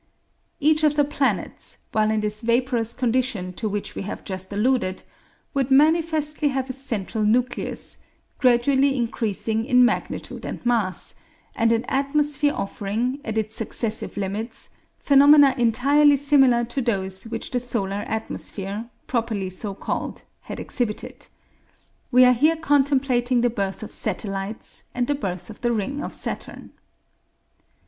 Each of the planets, while in this vaporous condition to which we have just alluded, would manifestly have a central nucleus, gradually increasing in magnitude and mass, and an atmosphere offering, at its successive limits, phenomena entirely similar to those which the solar atmosphere, properly so called, had exhibited. We are here contemplating the birth of satellites and the birth of the ring of Saturn.